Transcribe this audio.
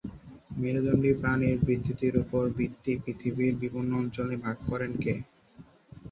মেরুদণ্ডী প্রাণীর বিস্তৃতির উপর ভিত্তি পৃথিবীর বিভিন্ন অঞ্চলে ভাগ করেন কে?